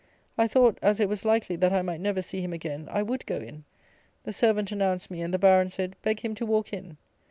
I thought, as it was likely that I might never see him again, I would go in. The servant announced me, and the Baron said, "Beg him to walk in."